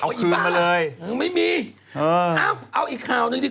ที่นักกาดเมียเราร้องไง